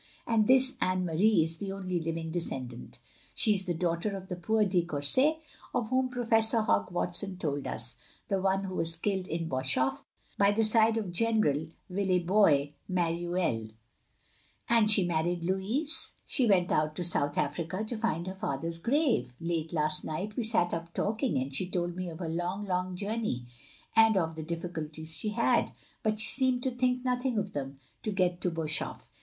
And this Anne Marie is the only living descendant. She is the daugh ter of the poor de Courset of whom Professor Hogg Watson told us, the one who was killed at Boshof, by the side of General de Villebois Mareuil. " "And she married Louis?" "She went out to South Africa — ^to find her father's grave. Late last night we sat up talking, and she told me of her long, long journey, and of the difficulties she had — ^but she seemed to think nothing of them — ^to get to Boshof.